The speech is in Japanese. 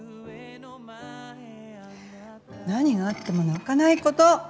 何があっても泣かないこと。